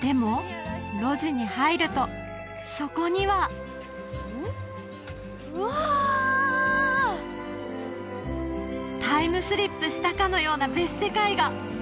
でも路地に入るとそこにはうわ！タイムスリップしたかのような別世界が！